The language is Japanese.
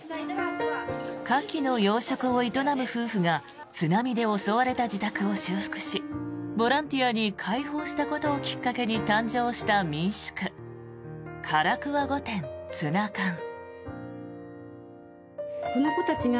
カキの養殖を営む夫婦が津波で襲われた自宅を修復しボランティアに開放したことをきっかけに誕生した民宿唐桑御殿つなかん。